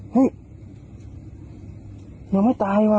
มันไม่ตายวะ